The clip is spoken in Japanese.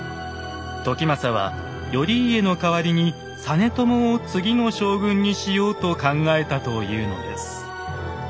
時政は頼家の代わりに実朝を次の将軍にしようと考えたというのです。